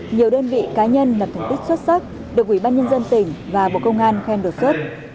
nhiều đơn vị cá nhân lập thành tích xuất sắc được ủy ban nhân dân tỉnh và bộ công an khen đột xuất